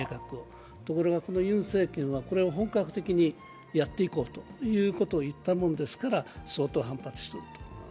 ところがこのユン政権はこれを本格的にやっていこうということを言ったもんですから相当反発していると。